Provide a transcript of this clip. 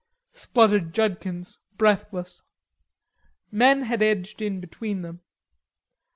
spluttered Judkins, breathless. Men had edged in between them.